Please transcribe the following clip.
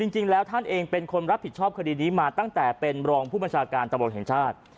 จริงแล้วท่านเองเป็นคนรับผิดชอบคดีนี้มาตั้งแต่เป็นรองผู้บัญชาการตำรวจแห่งชาติ